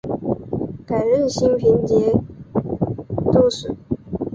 改任兴平军节度使。